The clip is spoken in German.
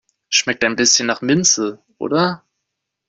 Schmeckt ein bisschen nach Minze, oder?